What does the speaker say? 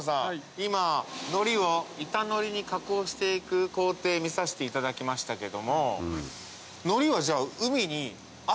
今のりを板のりに加工して行く工程見させていただきましたけども。